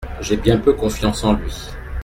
J’ai bien peu confiance en lui.